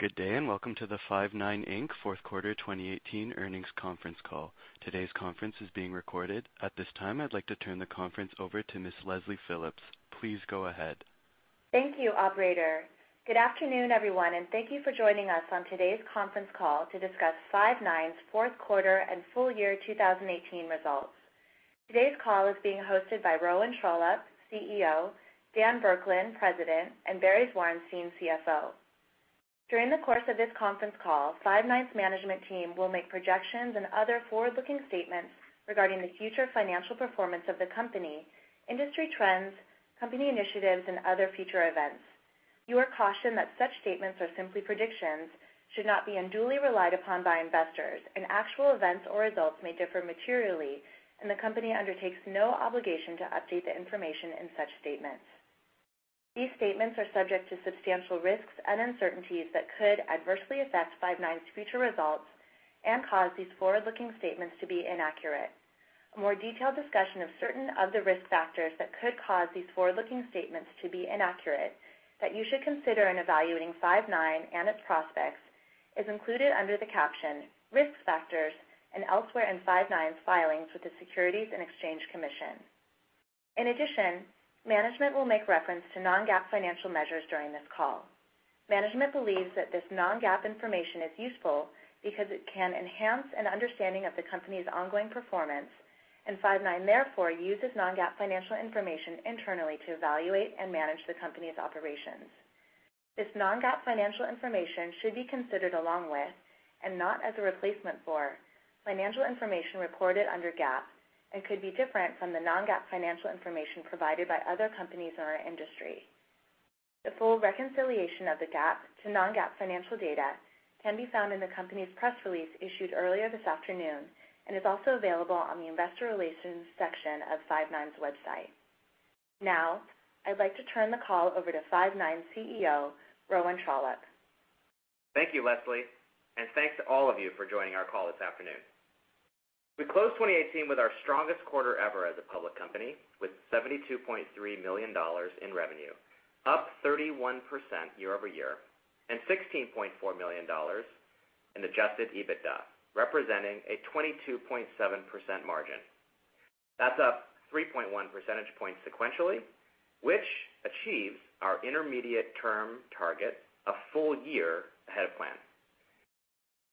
Good day, welcome to the Five9 Inc. fourth quarter 2018 earnings conference call. Today's conference is being recorded. At this time, I'd like to turn the conference over to Ms. Leslie Phillips. Please go ahead. Thank you, operator. Good afternoon, everyone, thank you for joining us on today's conference call to discuss Five9's fourth quarter and full year 2018 results. Today's call is being hosted by Rowan Trollope, CEO, Dan Burkland, President, and Barry Zwarenstein, CFO. During the course of this conference call, Five9's management team will make projections and other forward-looking statements regarding the future financial performance of the company, industry trends, company initiatives, and other future events. You are cautioned that such statements are simply predictions, should not be unduly relied upon by investors, actual events or results may differ materially, the company undertakes no obligation to update the information in such statements. These statements are subject to substantial risks and uncertainties that could adversely affect Five9's future results and cause these forward-looking statements to be inaccurate. A more detailed discussion of certain of the risk factors that could cause these forward-looking statements to be inaccurate, that you should consider in evaluating Five9 and its prospects, is included under the caption "Risk Factors" and elsewhere in Five9's filings with the Securities and Exchange Commission. In addition, management will make reference to non-GAAP financial measures during this call. Management believes that this non-GAAP information is useful because it can enhance an understanding of the company's ongoing performance, Five9 therefore uses non-GAAP financial information internally to evaluate and manage the company's operations. This non-GAAP financial information should be considered along with, not as a replacement for, financial information recorded under GAAP and could be different from the non-GAAP financial information provided by other companies in our industry. The full reconciliation of the GAAP to non-GAAP financial data can be found in the company's press release issued earlier this afternoon is also available on the investor relations section of Five9's website. I'd like to turn the call over to Five9 CEO, Rowan Trollope. Thank you, Leslie, and thanks to all of you for joining our call this afternoon. We closed 2018 with our strongest quarter ever as a public company, with $72.3 million in revenue, up 31% year-over-year, and $16.4 million in adjusted EBITDA, representing a 22.7% margin. That's up 3.1 percentage points sequentially, which achieves our intermediate term target a full year ahead of plan.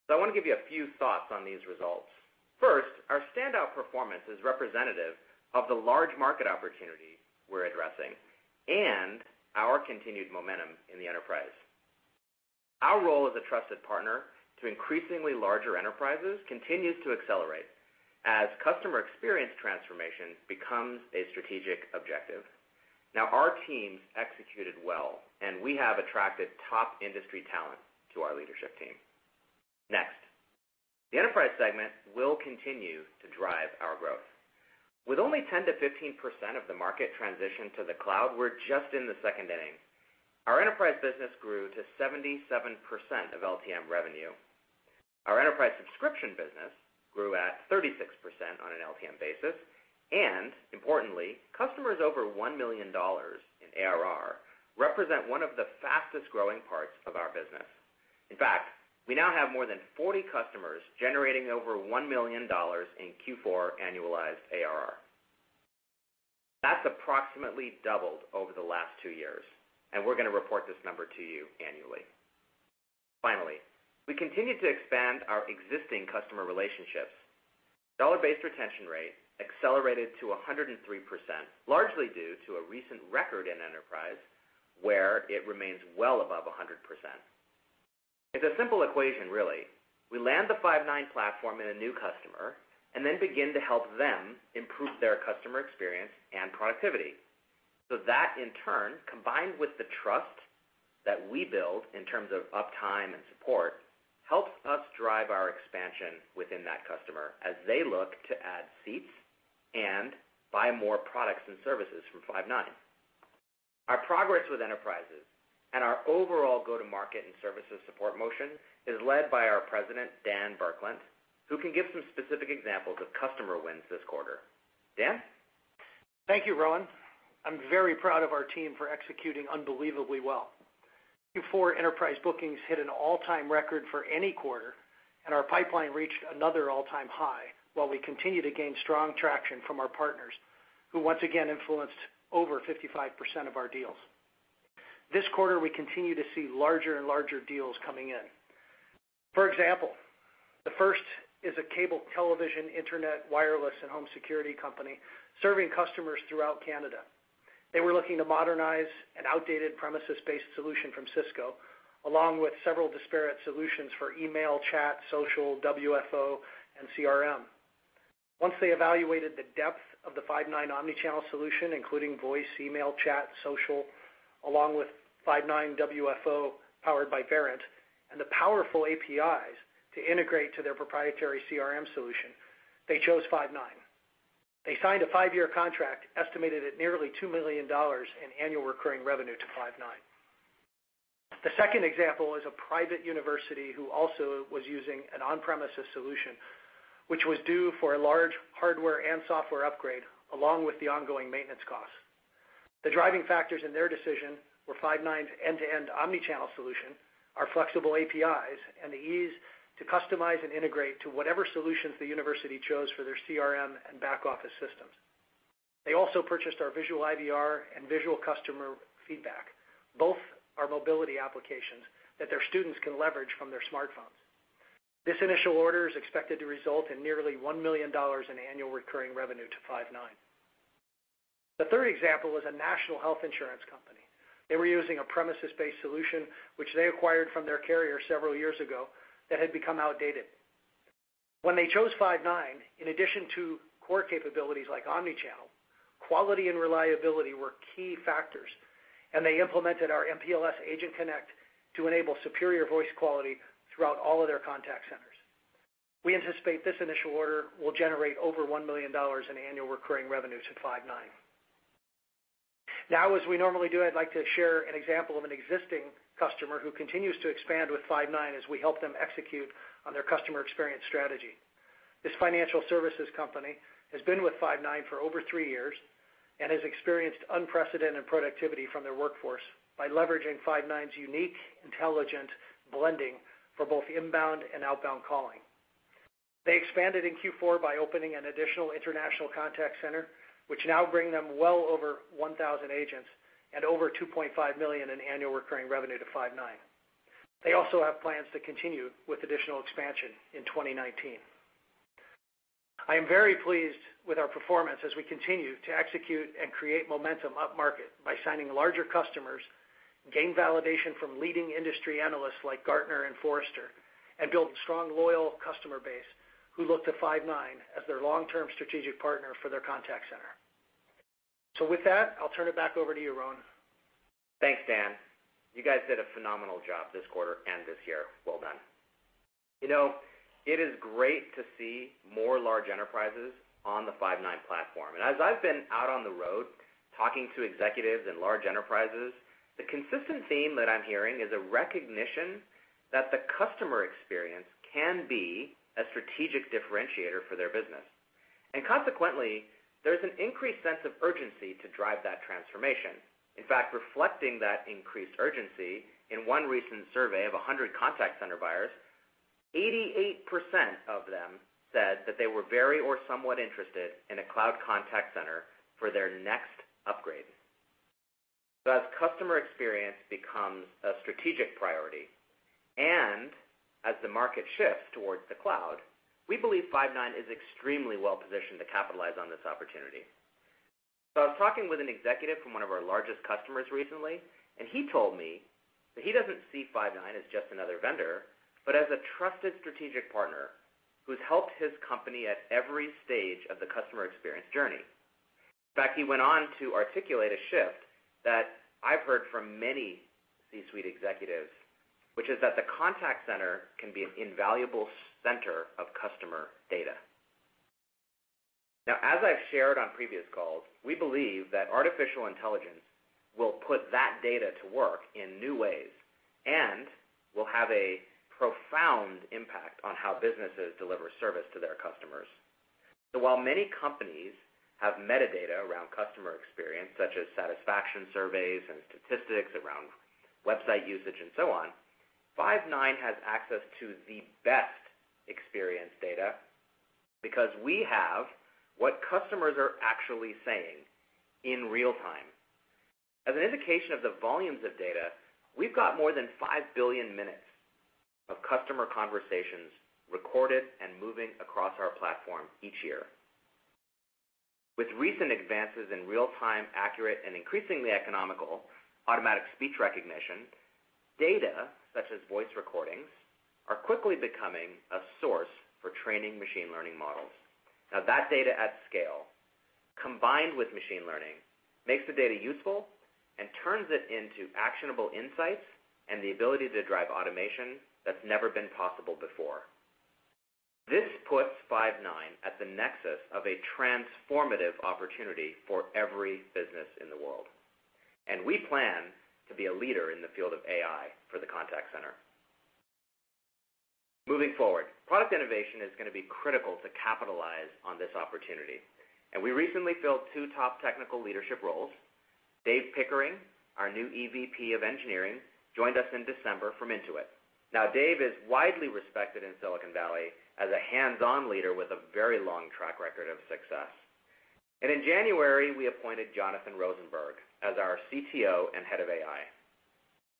I want to give you a few thoughts on these results. First, our standout performance is representative of the large market opportunity we're addressing and our continued momentum in the enterprise. Our role as a trusted partner to increasingly larger enterprises continues to accelerate as customer experience transformation becomes a strategic objective. Now, our teams executed well, and we have attracted top industry talent to our leadership team. Next, the enterprise segment will continue to drive our growth. With only 10%-15% of the market transition to the cloud, we're just in the second inning. Our enterprise business grew to 77% of LTM revenue. Our enterprise subscription business grew at 36% on an LTM basis, and importantly, customers over $1 million in ARR represent one of the fastest-growing parts of our business. In fact, we now have more than 40 customers generating over $1 million in Q4 annualized ARR. That's approximately doubled over the last two years, and we're going to report this number to you annually. Finally, we continue to expand our existing customer relationships. Dollar-based retention rate accelerated to 103%, largely due to a recent record in enterprise, where it remains well above 100%. It's a simple equation, really. We land the Five9 platform in a new customer and then begin to help them improve their customer experience and productivity. That, in turn, combined with the trust that we build in terms of uptime and support, helps us drive our expansion within that customer as they look to add seats and buy more products and services from Five9. Our progress with enterprises and our overall go-to-market and services support motion is led by our President, Dan Burkland, who can give some specific examples of customer wins this quarter. Dan? Thank you, Rowan. I'm very proud of our team for executing unbelievably well. Q4 enterprise bookings hit an all-time record for any quarter, and our pipeline reached another all-time high, while we continue to gain strong traction from our partners, who once again influenced over 55% of our deals. This quarter, we continue to see larger and larger deals coming in. For example, the first is a cable television, internet, wireless, and home security company serving customers throughout Canada. They were looking to modernize an outdated premises-based solution from Cisco, along with several disparate solutions for email, chat, social, WFO, and CRM. Once they evaluated the depth of the Five9 omni-channel solution, including voice, email, chat, social, along with Five9 WFO powered by Verint and the powerful APIs to integrate to their proprietary CRM solution, they chose Five9. They signed a five-year contract estimated at nearly $2 million in annual recurring revenue to Five9. The second example is a private university who also was using an on-premises solution, which was due for a large hardware and software upgrade, along with the ongoing maintenance costs. The driving factors in their decision were Five9's end-to-end omnichannel solution, our flexible APIs, and the ease to customize and integrate to whatever solutions the university chose for their CRM and back office systems. They also purchased our Visual IVR and Visual Customer Feedback. Both are mobility applications that their students can leverage from their smartphones. This initial order is expected to result in nearly $1 million in annual recurring revenue to Five9. The third example is a national health insurance company. They were using a premises-based solution, which they acquired from their carrier several years ago, that had become outdated. When they chose Five9, in addition to core capabilities like omnichannel, quality and reliability were key factors, and they implemented our MPLS Agent Connect to enable superior voice quality throughout all of their contact centers. We anticipate this initial order will generate over $1 million in annual recurring revenues to Five9. As we normally do, I'd like to share an example of an existing customer who continues to expand with Five9 as we help them execute on their customer experience strategy. This financial services company has been with Five9 for over three years and has experienced unprecedented productivity from their workforce by leveraging Five9's unique, intelligent blending for both inbound and outbound calling. They expanded in Q4 by opening an additional international contact center, which now bring them well over 1,000 agents and over $2.5 million in annual recurring revenue to Five9. They also have plans to continue with additional expansion in 2019. I am very pleased with our performance as we continue to execute and create momentum upmarket by signing larger customers, gain validation from leading industry analysts like Gartner and Forrester, and build a strong, loyal customer base who look to Five9 as their long-term strategic partner for their contact center. With that, I'll turn it back over to you, Rowan. Thanks, Dan. You guys did a phenomenal job this quarter and this year. Well done. It is great to see more large enterprises on the Five9 platform. As I've been out on the road talking to executives in large enterprises, the consistent theme that I'm hearing is a recognition that the customer experience can be a strategic differentiator for their business. Consequently, there's an increased sense of urgency to drive that transformation. In fact, reflecting that increased urgency, in one recent survey of 100 contact center buyers, 88% of them said that they were very or somewhat interested in a cloud contact center for their next upgrade. As customer experience becomes a strategic priority and as the market shifts towards the cloud, we believe Five9 is extremely well-positioned to capitalize on this opportunity. I was talking with an executive from one of our largest customers recently, and he told me that he doesn't see Five9 as just another vendor, but as a trusted strategic partner who's helped his company at every stage of the customer experience journey. In fact, he went on to articulate a shift that I've heard from many C-suite executives, which is that the contact center can be an invaluable center of customer data. As I've shared on previous calls, we believe that artificial intelligence will put that data to work in new ways and will have a profound impact on how businesses deliver service to their customers. While many companies have metadata around customer experience, such as satisfaction surveys and statistics around website usage and so on, Five9 has access to the best experience data because we have what customers are actually saying in real time. As an indication of the volumes of data, we've got more than 5 billion minutes of customer conversations recorded and moving across our platform each year. With recent advances in real-time accurate and increasingly economical automatic speech recognition, data such as voice recordings are quickly becoming a source for training machine learning models. That data at scale, combined with machine learning, makes the data useful and turns it into actionable insights and the ability to drive automation that's never been possible before. This puts Five9 at the nexus of a transformative opportunity for every business in the world, and we plan to be a leader in the field of AI for the contact center. Moving forward, product innovation is going to be critical to capitalize on this opportunity, and we recently filled two top technical leadership roles. David Pickering, our new EVP of engineering, joined us in December from Intuit. Dave is widely respected in Silicon Valley as a hands-on leader with a very long track record of success. In January, we appointed Jonathan Rosenberg as our CTO and head of AI.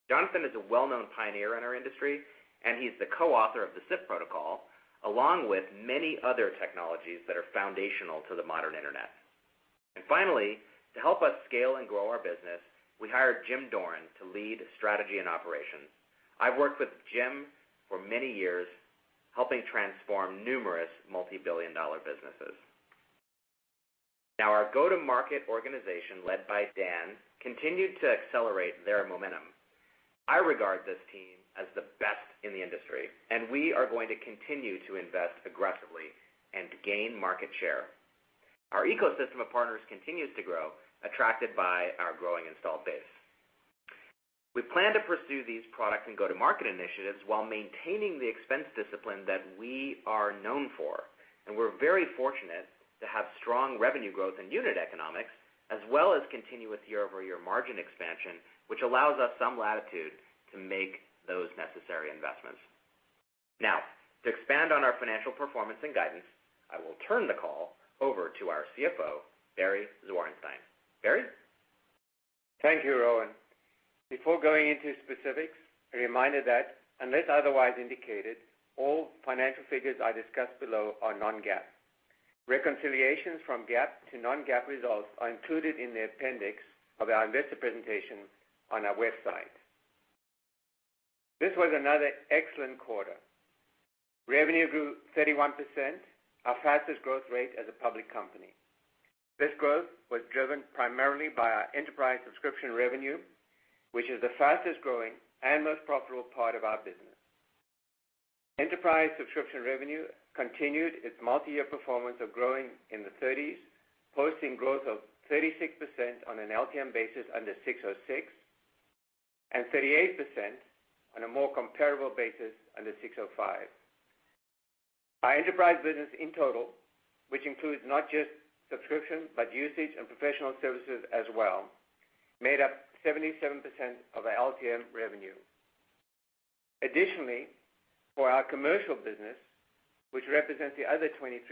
Jonathan is a well-known pioneer in our industry, and he's the co-author of the SIP protocol, along with many other technologies that are foundational to the modern Internet. Finally, to help us scale and grow our business, we hired James Doran to lead strategy and operations. I've worked with Jim for many years, helping transform numerous multibillion-dollar businesses. Our go-to-market organization, led by Dan, continued to accelerate their momentum. I regard this team as the best in the industry, and we are going to continue to invest aggressively and gain market share. Our ecosystem of partners continues to grow, attracted by our growing install base. We plan to pursue these products and go-to-market initiatives while maintaining the expense discipline that we are known for. We're very fortunate to have strong revenue growth in unit economics, as well as continuous year-over-year margin expansion, which allows us some latitude to make those necessary investments. To expand on our financial performance and guidance, I will turn the call over to our CFO, Barry Zwarenstein. Barry? Thank you, Rowan. Before going into specifics, a reminder that unless otherwise indicated, all financial figures I discuss below are non-GAAP. Reconciliations from GAAP to non-GAAP results are included in the appendix of our investor presentation on our website. This was another excellent quarter. Revenue grew 31%, our fastest growth rate as a public company. This growth was driven primarily by our enterprise subscription revenue, which is the fastest-growing and most profitable part of our business. Enterprise subscription revenue continued its multi-year performance of growing in the 30s, posting growth of 36% on an LTM basis under 606, and 38% on a more comparable basis under 605. Our enterprise business in total, which includes not just subscription, but usage and professional services as well, made up 77% of our LTM revenue. For our commercial business, which represents the other 23%,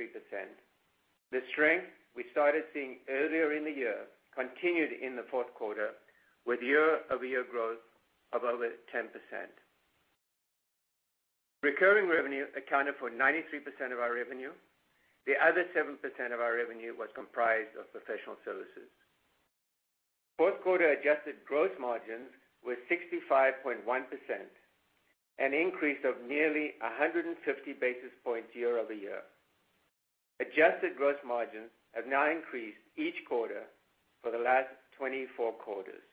the strength we started seeing earlier in the year continued in the fourth quarter with year-over-year growth of over 10%. Recurring revenue accounted for 93% of our revenue. The other 7% of our revenue was comprised of professional services. Fourth quarter adjusted gross margins were 65.1%, an increase of nearly 150 basis points year-over-year. Adjusted gross margins have now increased each quarter for the last 24 quarters.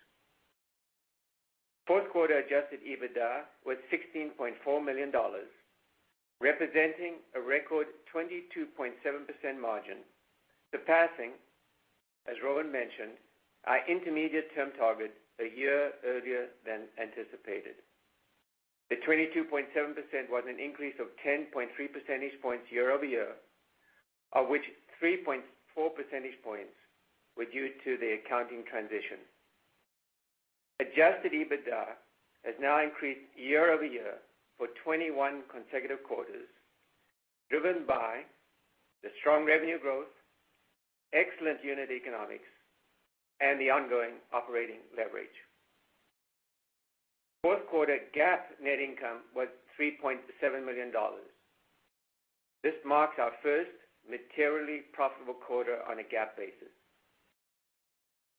Fourth quarter adjusted EBITDA was $16.4 million, representing a record 22.7% margin, surpassing, as Rowan mentioned, our intermediate-term target a year earlier than anticipated. The 22.7% was an increase of 10.3 percentage points year-over-year, of which 3.4 percentage points were due to the accounting transition. Adjusted EBITDA has now increased year-over-year for 21 consecutive quarters, driven by the strong revenue growth, excellent unit economics, and the ongoing operating leverage. Fourth quarter GAAP net income was $3.7 million. This marks our first materially profitable quarter on a GAAP basis.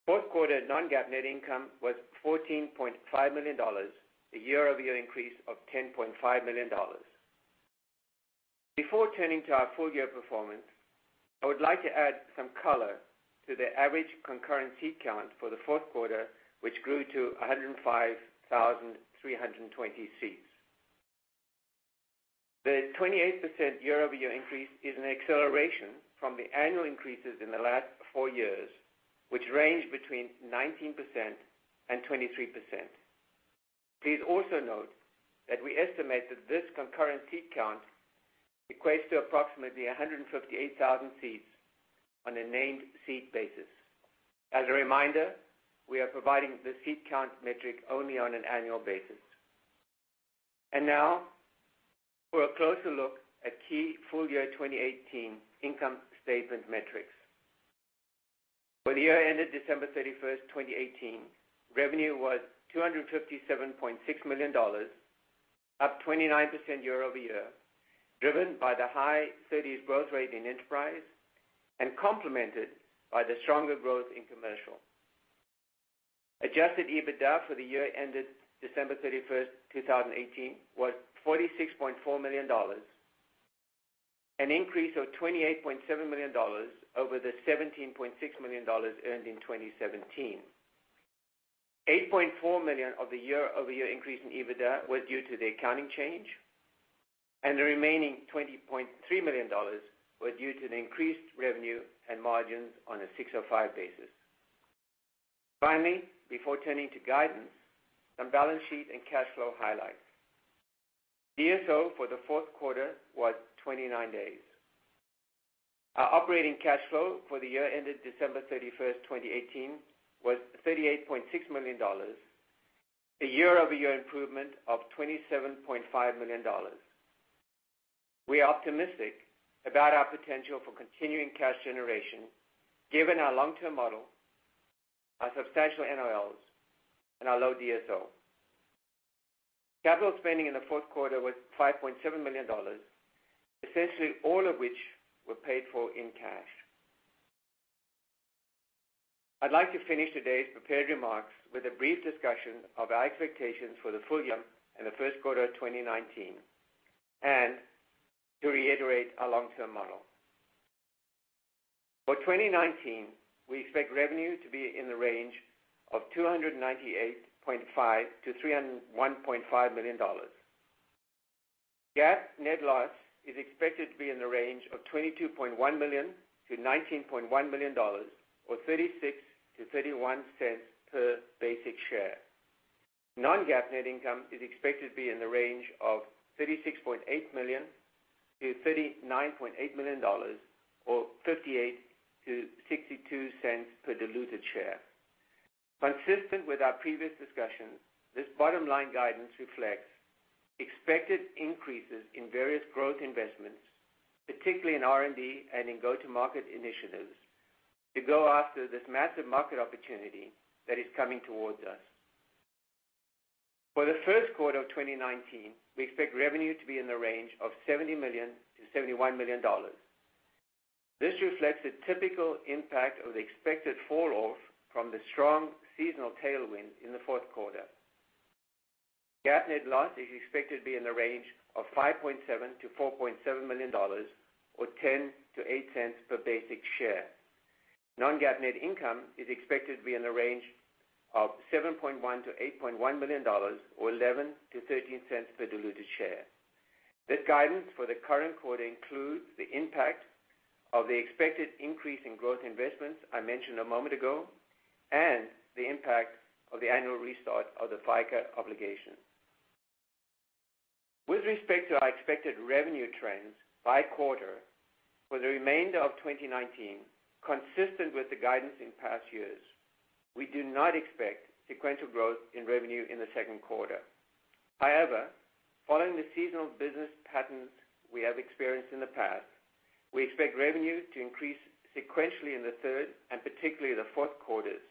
Fourth quarter non-GAAP net income was $14.5 million, a year-over-year increase of $10.5 million. Before turning to our full-year performance, I would like to add some color to the average concurrent seat count for the fourth quarter, which grew to 105,320 seats. The 28% year-over-year increase is an acceleration from the annual increases in the last four years, which range between 19% and 23%. Please also note that we estimate that this concurrent seat count equates to approximately 158,000 seats on a named seat basis. As a reminder, we are providing the seat count metric only on an annual basis. For a closer look at key full year 2018 income statement metrics. For the year ended December 31st, 2018, revenue was $257.6 million, up 29% year-over-year, driven by the high 30s growth rate in enterprise and complemented by the stronger growth in commercial. Adjusted EBITDA for the year ended December 31st, 2018, was $46.4 million, an increase of $28.7 million over the $17.6 million earned in 2017. $8.4 million of the year-over-year increase in EBITDA was due to the accounting change, and the remaining $20.3 million was due to the increased revenue and margins on a 605 basis. Finally, before turning to guidance, some balance sheet and cash flow highlights. DSO for the fourth quarter was 29 days. Our operating cash flow for the year ended December 31st, 2018, was $38.6 million, a year-over-year improvement of $27.5 million. We are optimistic about our potential for continuing cash generation given our long-term model, our substantial NOLs, and our low DSO. Capital spending in the fourth quarter was $5.7 million, essentially all of which were paid for in cash. I'd like to finish today's prepared remarks with a brief discussion of our expectations for the full year and the first quarter of 2019, and to reiterate our long-term model. For 2019, we expect revenue to be in the range of $298.5 million-$301.5 million. GAAP net loss is expected to be in the range of $22.1 million-$19.1 million, or $0.36-$0.31 per basic share. Non-GAAP net income is expected to be in the range of $36.8 million-$39.8 million, or $0.58-$0.62 per diluted share. Consistent with our previous discussion, this bottom line guidance reflects expected increases in various growth investments, particularly in R&D and in go-to-market initiatives, to go after this massive market opportunity that is coming towards us. For the first quarter of 2019, we expect revenue to be in the range of $70 million-$71 million. This reflects the typical impact of the expected fall-off from the strong seasonal tailwind in the fourth quarter. GAAP net loss is expected to be in the range of $5.7 million-$4.7 million, or $0.10-$0.08 per basic share. Non-GAAP net income is expected to be in the range of $7.1 million-$8.1 million, or $0.11-$0.13 per diluted share. This guidance for the current quarter includes the impact of the expected increase in growth investments I mentioned a moment ago, and the impact of the annual restart of the FICA obligation. With respect to our expected revenue trends by quarter, for the remainder of 2019, consistent with the guidance in past years, we do not expect sequential growth in revenue in the second quarter. Following the seasonal business patterns we have experienced in the past, we expect revenue to increase sequentially in the third and particularly the fourth quarters.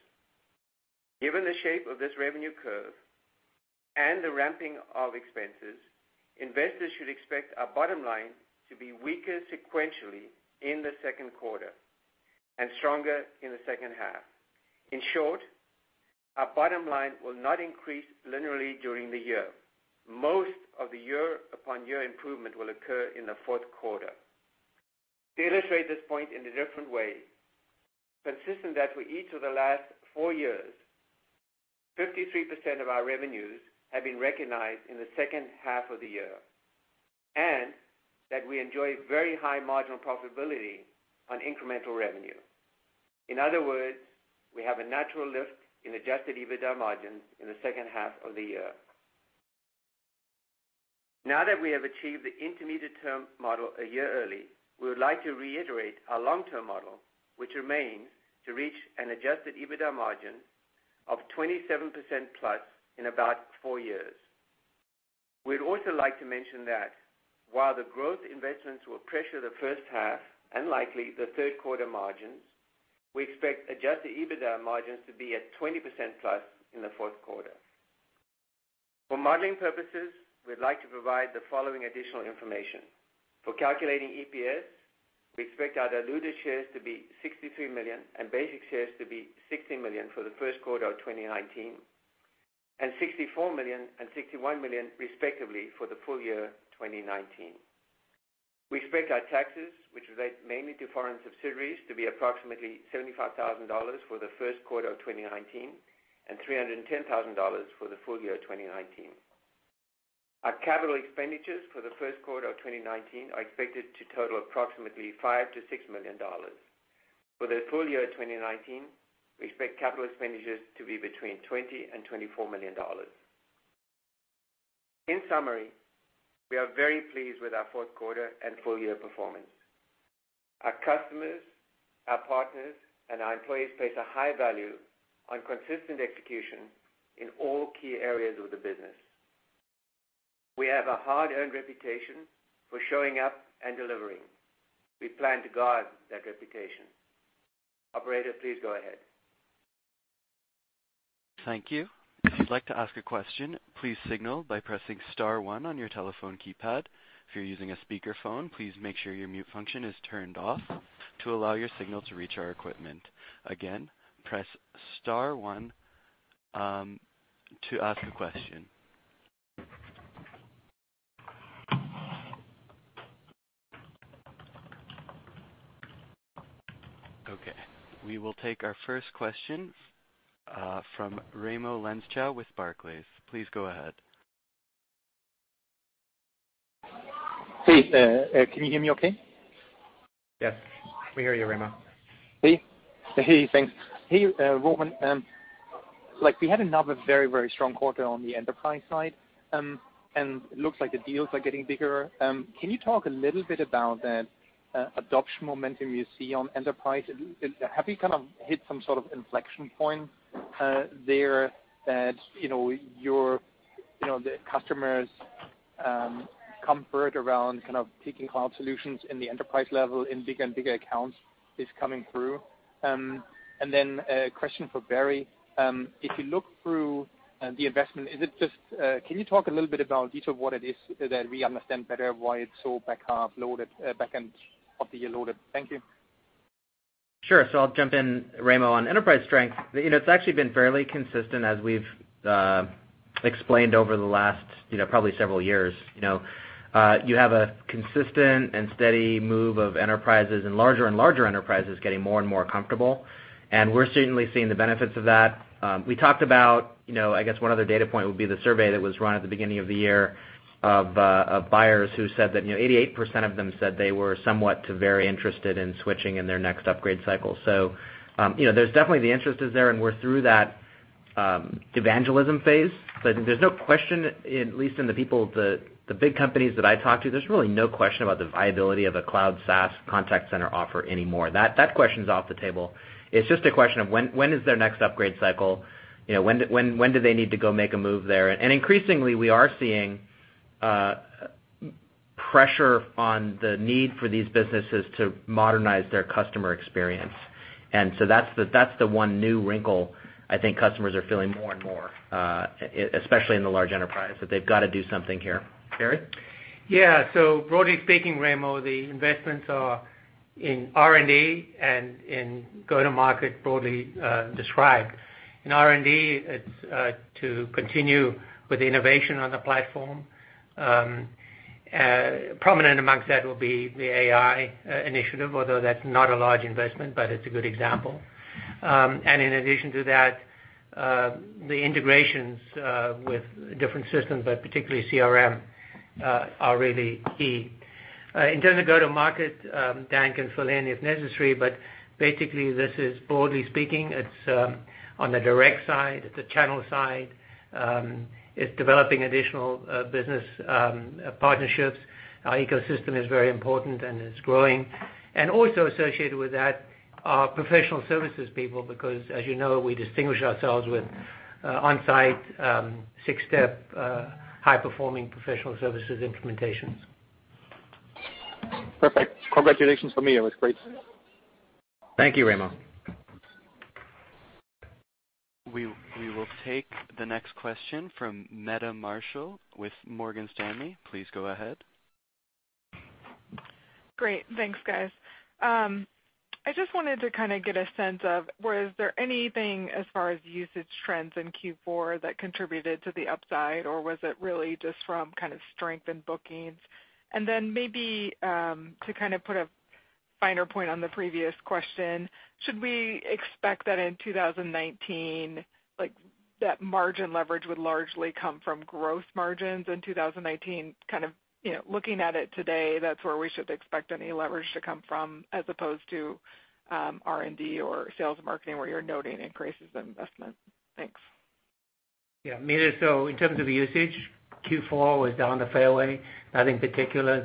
Given the shape of this revenue curve and the ramping of expenses, investors should expect our bottom line to be weaker sequentially in the second quarter and stronger in the second half. In short, our bottom line will not increase linearly during the year. Most of the year-over-year improvement will occur in the fourth quarter. To illustrate this point in a different way, consistent that for each of the last four years, 53% of our revenues have been recognized in the second half of the year, and that we enjoy very high marginal profitability on incremental revenue. In other words, we have a natural lift in adjusted EBITDA margins in the second half of the year. We have achieved the intermediate-term model a year early, we would like to reiterate our long-term model, which remains to reach an adjusted EBITDA margin of 27%+ in about four years. We'd also like to mention that while the growth investments will pressure the first half, and likely the third quarter margins, we expect adjusted EBITDA margins to be at 20%+ in the fourth quarter. For modeling purposes, we'd like to provide the following additional information. For calculating EPS, we expect our diluted shares to be 63 million and basic shares to be 60 million for the first quarter of 2019, and 64 million and 61 million respectively for the full year 2019. We expect our taxes, which relate mainly to foreign subsidiaries, to be approximately $75,000 for the first quarter of 2019, and $310,000 for the full year 2019. Our capital expenditures for the first quarter of 2019 are expected to total approximately $5 million to $6 million. For the full year 2019, we expect capital expenditures to be between $20 million and $24 million. In summary, we are very pleased with our fourth quarter and full year performance. Our customers, our partners, and our employees place a high value on consistent execution in all key areas of the business. We have a hard-earned reputation for showing up and delivering. We plan to guard that reputation. Operator, please go ahead. Thank you. If you'd like to ask a question, please signal by pressing *1 on your telephone keypad. If you're using a speakerphone, please make sure your mute function is turned off to allow your signal to reach our equipment. Again, press *1 to ask a question. Okay, we will take our first question from Raimo Lenschow with Barclays. Please go ahead. Can you hear me okay? Yes. We hear you, Raimo. Hey. Thanks. Hey, Rowan. We had another very strong quarter on the enterprise side. Looks like the deals are getting bigger. Can you talk a little bit about that adoption momentum you see on enterprise? Have you hit some sort of inflection point there that your customers' comfort around picking cloud solutions in the enterprise level in bigger and bigger accounts is coming through? A question for Barry. If you look through the investment, can you talk a little bit about detail of what it is so that we understand better why it's so back-end of the year loaded? Thank you. Sure. I'll jump in, Raimo, on enterprise strength. It's actually been fairly consistent as we've explained over the last probably several years. You have a consistent and steady move of enterprises and larger and larger enterprises getting more and more comfortable. We're certainly seeing the benefits of that. We talked about, I guess one other data point would be the survey that was run at the beginning of the year of buyers who said that 88% of them said they were somewhat to very interested in switching in their next upgrade cycle. There's definitely the interest is there, and we're through that evangelism phase. There's no question, at least in the people, the big companies that I talk to, there's really no question about the viability of a cloud SaaS contact center offer anymore. That question's off the table. It's just a question of when is their next upgrade cycle? When do they need to go make a move there? Increasingly, we are seeing pressure on the need for these businesses to modernize their customer experience. That's the one new wrinkle I think customers are feeling more and more, especially in the large enterprise, that they've got to do something here. Barry? Yeah. Broadly speaking, Raimo, the investments are in R&D and in go-to-market, broadly described. In R&D, it's to continue with the innovation on the platform. Prominent amongst that will be the AI initiative, although that's not a large investment, but it's a good example. In addition to that, the integrations with different systems, but particularly CRM, are really key. In terms of go-to-market, Dan can fill in if necessary, but basically this is broadly speaking, it's on the direct side, the channel side. It's developing additional business partnerships. Our ecosystem is very important and is growing. Also associated with that are professional services people, because as you know, we distinguish ourselves with on-site, six-step, high-performing professional services implementations. Perfect. Congratulations from me. It was great. Thank you, Raimo. We will take the next question from Meta Marshall with Morgan Stanley. Please go ahead. Great. Thanks, guys. I just wanted to get a sense of, was there anything as far as usage trends in Q4 that contributed to the upside, or was it really just from strength in bookings? And then maybe to put a finer point on the previous question, should we expect that in 2019, that margin leverage would largely come from gross margins in 2019? Kind of looking at it today, that's where we should expect any leverage to come from as opposed to R&D or sales and marketing where you're noting increases in investment. Thanks. Yeah. Meta, in terms of the usage, Q4 was down the fairway. Nothing particular.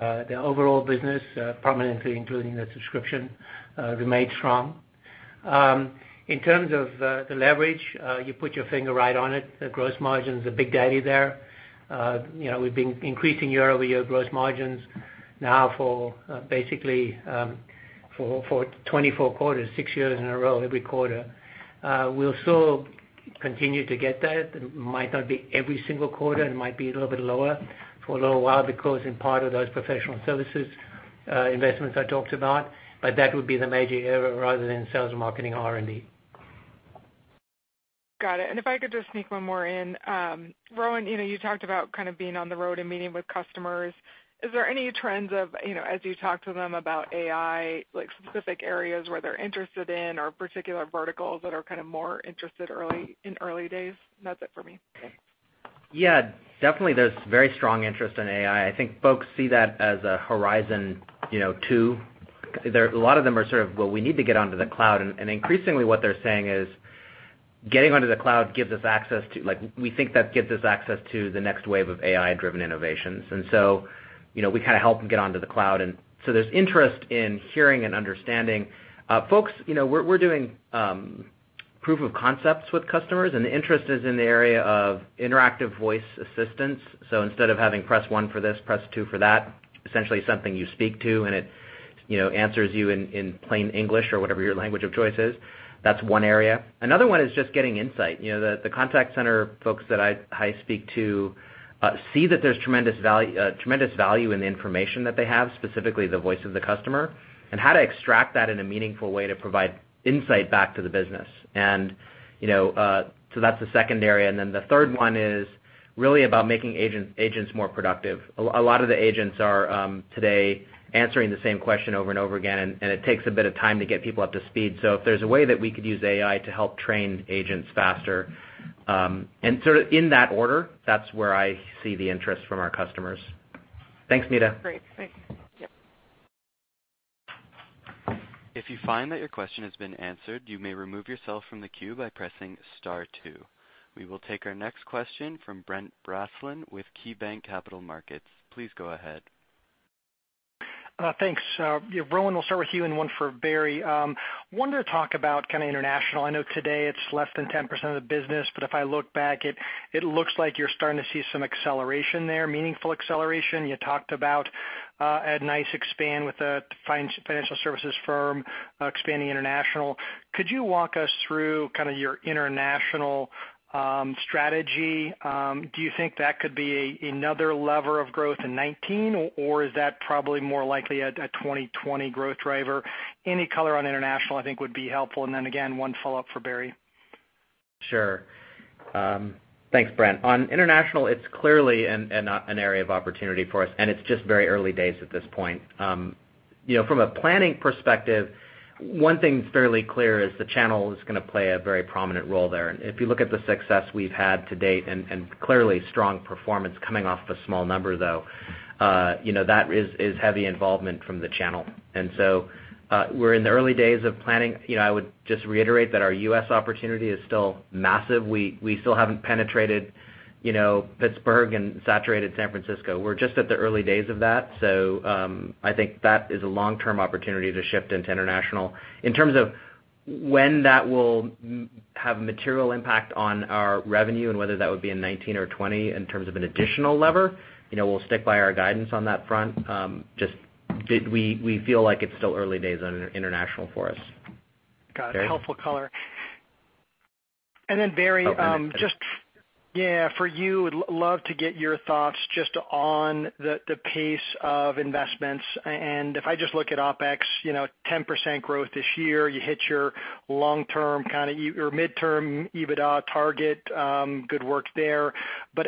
The overall business, prominently including the subscription, remained strong. In terms of the leverage, you put your finger right on it. The gross margin's a big daddy there. We've been increasing year-over-year gross margins now for basically 24 quarters, six years in a row, every quarter. We'll still continue to get that. It might not be every single quarter, and it might be a little bit lower for a little while because in part of those professional services investments I talked about, but that would be the major area rather than sales and marketing, R&D. Got it. If I could just sneak one more in. Rowan, you talked about being on the road and meeting with customers. Is there any trends of, as you talk to them about AI, like specific areas where they're interested in or particular verticals that are more interested in early days? That's it for me. Yeah. Definitely. There's very strong interest in AI. I think folks see that as a horizon 2. A lot of them are sort of, "Well, we need to get onto the cloud," and increasingly what they're saying is, "Getting onto the cloud gives us access to We think that gives us access to the next wave of AI-driven innovations." We help them get onto the cloud, there's interest in hearing and understanding. Folks, we're doing proof of concepts with customers, and the interest is in the area of interactive voice assistance. Instead of having press one for this, press two for that, essentially something you speak to, and it answers you in plain English or whatever your language of choice is. That's one area. Another one is just getting insight. The contact center folks that I speak to see that there's tremendous value in the information that they have, specifically the voice of the customer, and how to extract that in a meaningful way to provide insight back to the business. That's the second area, the third one is really about making agents more productive. A lot of the agents are, today, answering the same question over and over again, and it takes a bit of time to get people up to speed. If there's a way that we could use AI to help train agents faster, and sort of in that order, that's where I see the interest from our customers. Thanks, Meta. Great. Thanks. Yep. If you find that your question has been answered, you may remove yourself from the queue by pressing star 2. We will take our next question from Brent Bracelin with KeyBanc Capital Markets. Please go ahead. Thanks. Rowan, we'll start with you and one for Barry. Wanted to talk about international. I know today it's less than 10% of the business, but if I look back, it looks like you're starting to see some acceleration there, meaningful acceleration. You talked about at NICE Interactions with the financial services firm expanding international. Could you walk us through your international strategy? Do you think that could be another lever of growth in 2019, or is that probably more likely a 2020 growth driver? Any color on international, I think, would be helpful. Again, one follow-up for Barry. Sure. Thanks, Brent. On international, it's clearly an area of opportunity for us, and it's just very early days at this point. From a planning perspective, one thing that's fairly clear is the channel is going to play a very prominent role there. If you look at the success we've had to date, and clearly strong performance coming off the small number, though, that is heavy involvement from the channel. We're in the early days of planning. I would just reiterate that our U.S. opportunity is still massive. We still haven't penetrated Pittsburgh and saturated San Francisco. We're just at the early days of that. I think that is a long-term opportunity to shift into international. In terms of when that will have a material impact on our revenue and whether that would be in 2019 or 2020 in terms of an additional lever, we'll stick by our guidance on that front. Just, we feel like it's still early days on international for us. Got it. Barry? Helpful color. Barry- Hi, Barry just, yeah, for you, would love to get your thoughts just on the pace of investments. If I just look at OpEx, 10% growth this year. You hit your long-term, kind of, your mid-term EBITDA target. Good work there.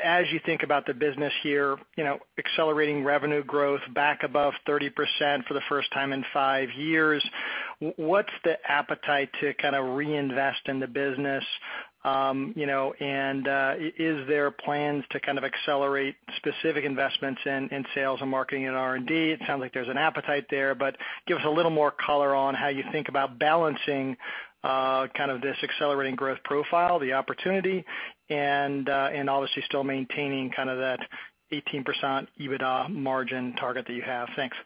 As you think about the business here, accelerating revenue growth back above 30% for the first time in five years, what's the appetite to kind of reinvest in the business? Is there plans to kind of accelerate specific investments in sales and marketing and R&D? It sounds like there's an appetite there, but give us a little more color on how you think about balancing kind of this accelerating growth profile, the opportunity, and obviously still maintaining kind of that 18% EBITDA margin target that you have. Thanks.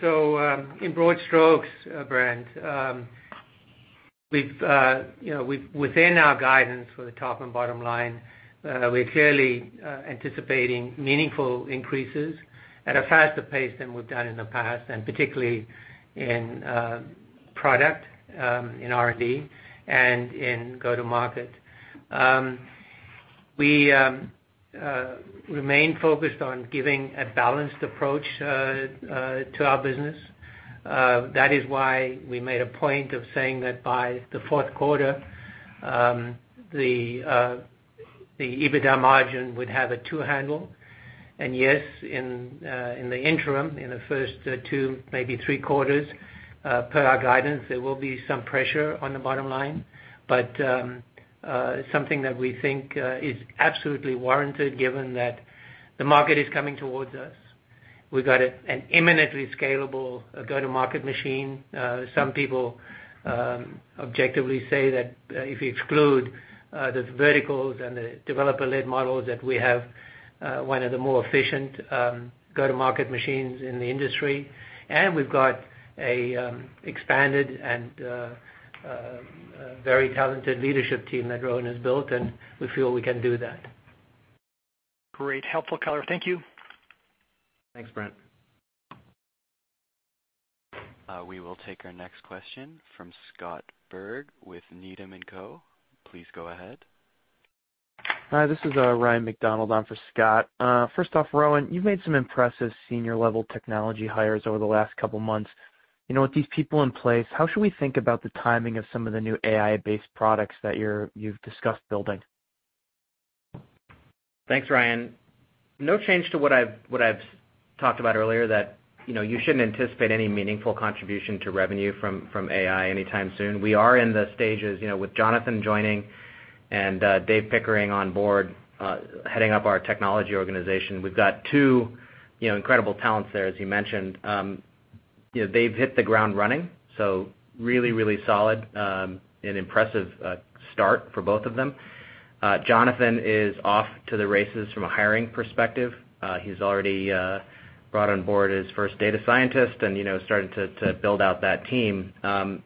So, in broad strokes, Brent, within our guidance for the top and bottom line, we're clearly anticipating meaningful increases at a faster pace than we've done in the past, particularly in product, in R&D, and in go-to-market. We remain focused on giving a balanced approach to our business. That is why we made a point of saying that by the fourth quarter, the EBITDA margin would have a two handle. Yes, in the interim, in the first two, maybe three quarters, per our guidance, there will be some pressure on the bottom line. But something that we think is absolutely warranted given that the market is coming towards us. We've got an imminently scalable go-to-market machine. Some people objectively say that if you exclude the verticals and the developer-led models, that we have one of the more efficient go-to-market machines in the industry. We've got an expanded and a very talented leadership team that Rowan has built, and we feel we can do that. Great, helpful color. Thank you. Thanks, Brent. We will take our next question from Scott Berg with Needham & Company. Please go ahead. Hi, this is Ryan MacDonald on for Scott. First off, Rowan, you've made some impressive senior-level technology hires over the last couple of months. With these people in place, how should we think about the timing of some of the new AI-based products that you've discussed building? Thanks, Ryan. No change to what I've talked about earlier that you shouldn't anticipate any meaningful contribution to revenue from AI anytime soon. We are in the stages with Jonathan joining and David Pickering on board heading up our technology organization. We've got two incredible talents there, as you mentioned. They've hit the ground running, so really solid, an impressive start for both of them. Jonathan is off to the races from a hiring perspective. He's already brought on board his first data scientist and starting to build out that team.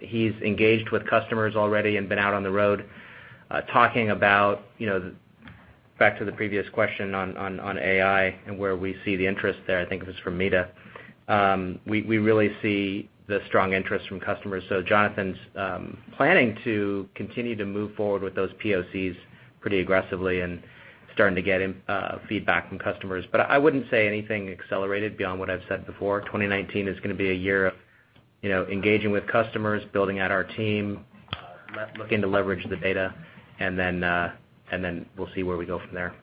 He's engaged with customers already and been out on the road talking about Back to the previous question on AI and where we see the interest there, I think it was from Meta. We really see the strong interest from customers. Jonathan's planning to continue to move forward with those POCs pretty aggressively and starting to get feedback from customers. I wouldn't say anything accelerated beyond what I've said before. 2019 is going to be a year of engaging with customers, building out our team, looking to leverage the data, and then we'll see where we go from there.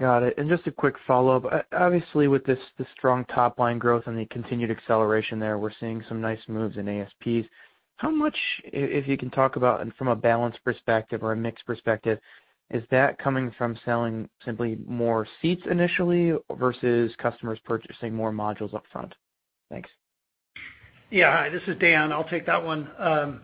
Got it. Just a quick follow-up. Obviously, with this strong top-line growth and the continued acceleration there, we're seeing some nice moves in ASPs. How much, if you can talk about, from a balance perspective or a mix perspective, is that coming from selling simply more seats initially versus customers purchasing more modules upfront? Thanks. Yeah. Hi, this is Dan. I'll take that one.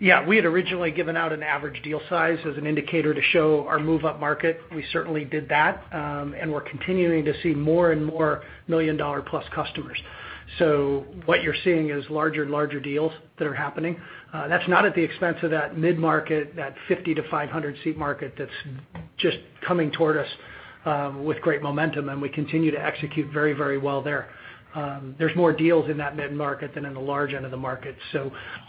Yeah, we had originally given out an average deal size as an indicator to show our move-up market. We certainly did that, and we're continuing to see more and more million-dollar-plus customers. What you're seeing is larger deals that are happening. That's not at the expense of that mid-market, that 50 to 500 seat market that's just coming toward us with great momentum, and we continue to execute very well there. There's more deals in that mid-market than in the large end of the market.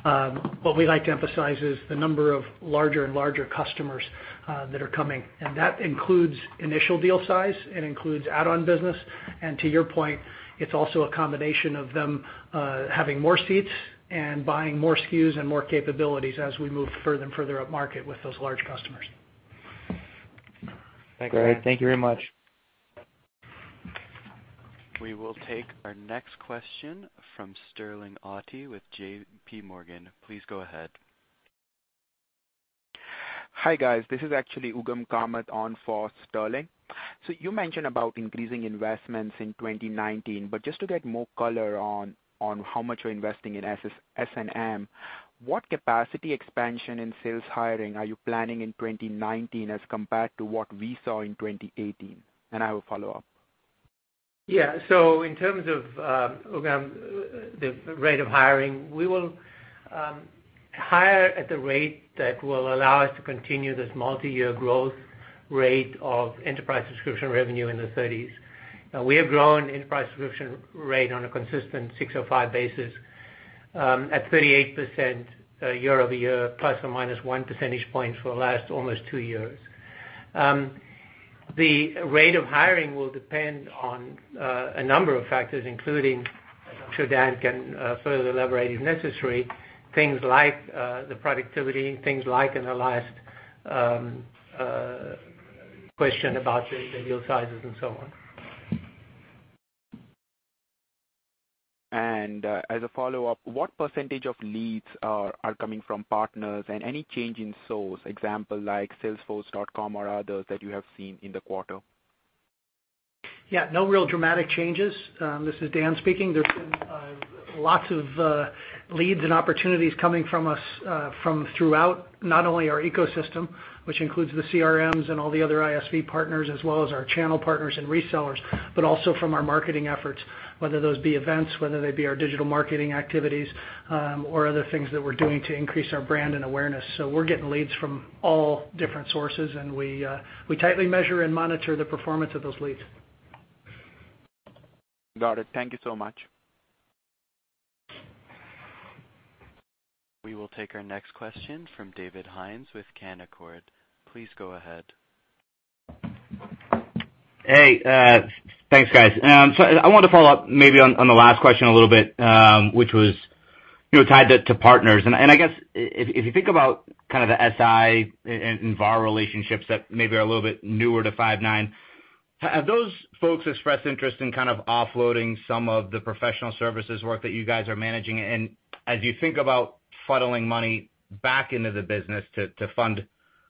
What we like to emphasize is the number of larger and larger customers that are coming, and that includes initial deal size. It includes add-on business. To your point, it's also a combination of them having more seats and buying more SKUs and more capabilities as we move further and further up market with those large customers. Thanks. Great. Thank you very much. We will take our next question from Sterling Auty with J.P. Morgan. Please go ahead. Hi, guys. This is actually Ugam Kamat on for Sterling. You mentioned about increasing investments in 2019, but just to get more color on how much you're investing in S&M, what capacity expansion in sales hiring are you planning in 2019 as compared to what we saw in 2018? I will follow up. In terms of, Ugam, the rate of hiring, we will hire at the rate that will allow us to continue this multi-year growth rate of enterprise subscription revenue in the 30s. We have grown enterprise subscription rate on a consistent ASC 605 basis, at 38% year-over-year, plus or minus one percentage point for the last almost two years. The rate of hiring will depend on a number of factors, including, I'm sure Dan can further elaborate if necessary, things like the productivity, things like in our last question about the deal sizes and so on. As a follow-up, what % of leads are coming from partners and any change in source, example like Salesforce or others that you have seen in the quarter? No real dramatic changes. This is Dan speaking. There's been lots of leads and opportunities coming from us from throughout, not only our ecosystem, which includes the CRMs and all the other ISV partners as well as our channel partners and resellers, but also from our marketing efforts, whether those be events, whether they be our digital marketing activities, or other things that we're doing to increase our brand and awareness. We're getting leads from all different sources, and we tightly measure and monitor the performance of those leads. Got it. Thank you so much. We will take our next question from David Hynes with Canaccord. Please go ahead. I wanted to follow up maybe on the last question a little bit, which was tied to partners. I guess if you think about kind of the SI and VAR relationships that maybe are a little bit newer to Five9, have those folks expressed interest in kind of offloading some of the professional services work that you guys are managing? As you think about funneling money back into the business to fund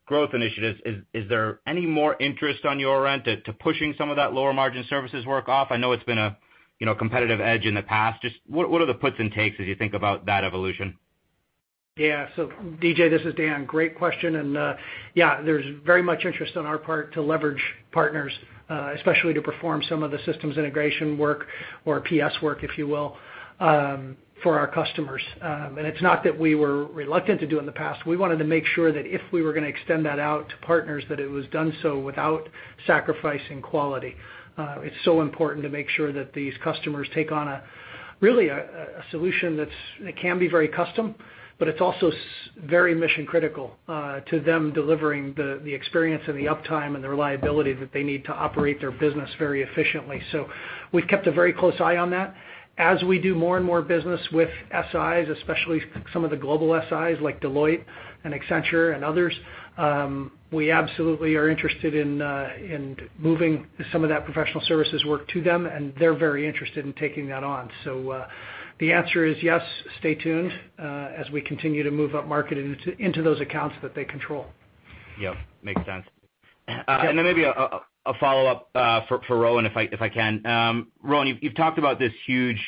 growth initiatives, is there any more interest on your end to pushing some of that lower margin services work off? I know it's been a competitive edge in the past. Just what are the puts and takes as you think about that evolution? Yeah. DJ, this is Dan. Great question. Yeah, there's very much interest on our part to leverage partners, especially to perform some of the systems integration work or PS work, if you will, for our customers. It's not that we were reluctant to do in the past. We wanted to make sure that if we were going to extend that out to partners, that it was done so without sacrificing quality. It's so important to make sure that these customers take on really a solution that can be very custom, but it's also very mission-critical to them delivering the experience and the uptime and the reliability that they need to operate their business very efficiently. We've kept a very close eye on that. As we do more and more business with SIs, especially some of the global SIs like Deloitte and Accenture and others, we absolutely are interested in moving some of that professional services work to them, and they're very interested in taking that on. The answer is yes, stay tuned, as we continue to move up market into those accounts that they control. Yep, makes sense. Maybe a follow-up for Rowan, if I can. Rowan, you've talked about this huge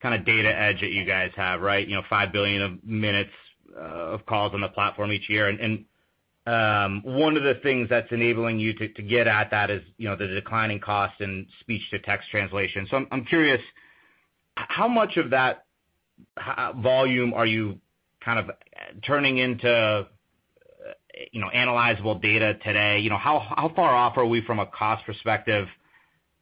kind of data edge that you guys have, right? 5 billion of minutes of calls on the platform each year. One of the things that's enabling you to get at that is the declining cost in speech-to-text translation. I'm curious, how much of that volume are you kind of turning into analyzable data today? How far off are we from a cost perspective